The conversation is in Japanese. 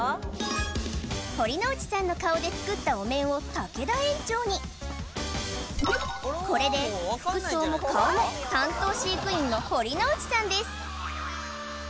堀之内さんの顔で作ったお面を竹田園長にこれで服装も顔も担当飼育員の堀之内さんです